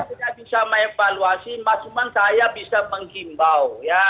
kalau saya tidak bisa mengevaluasi cuma saya bisa menghimbau